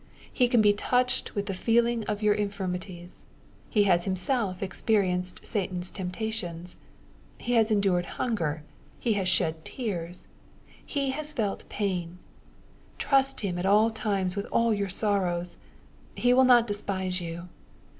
He can be touched with the feeling of your infirmities. He has Himself experienced Satan's temptations. He has endured hunger. He has shed tears. He has felt pain. Trust Him at all times with all your sorrows. He will not despise you.